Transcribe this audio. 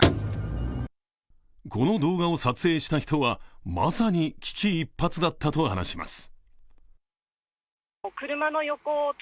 この動画を撮影した人はまさに危機一髪だったと話します。